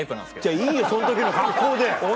いいよその時の格好で！